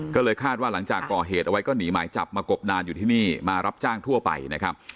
ก็เลยคาดว่าหลังจากก่อเหตุเอาไว้ก็หนีหมายจับมากบนานอยู่ที่นี่มารับจ้างทั่วไปนะครับ